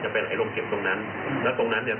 ไปไอโรงเข็มตรงนั้นแล้วตรงนั้นเนี่ย